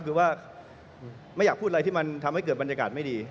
คือว่าไม่อยากพูดอะไรที่มันทำให้เกิดบรรยากาศไม่ดี